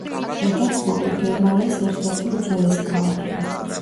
რეგენსბურგი გერმანიის ერთ-ერთი უძველესი ქალაქია.